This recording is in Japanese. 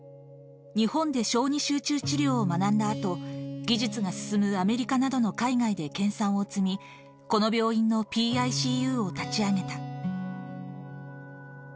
日本で小児集中治療を学んだあと、技術が進むアメリカなどの海外で研さんを積み、この病院のＰＩＣＵを立ち上げた。